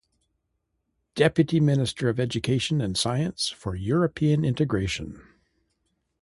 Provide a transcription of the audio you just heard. Deputy Minister of Education and Science for European Integration.